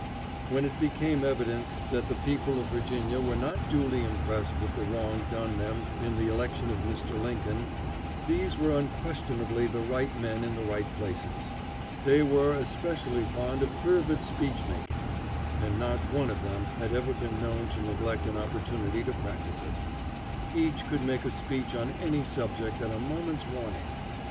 When it became evident that the people of Virginia were not duly impressed with the wrong done them in the election of Mr. Lincoln, these were unquestionably the right men in the right places. They were especially fond of fervid speech making, and not one of them had ever been known to neglect an opportunity to practice it; each could make a speech on any subject at a moment's warning.